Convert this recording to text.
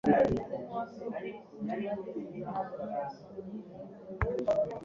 yurira igiti arahanuka yikubita hasi